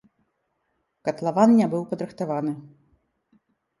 Катлаван не быў падрыхтаваны.